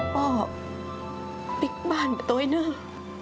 พ่อปิ๊กบ้านไปตัวเอง